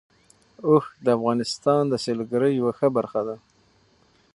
اوښ د افغانستان د سیلګرۍ یوه ښه برخه ده.